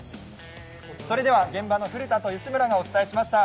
それでは現場の古田と吉村がお伝えしました。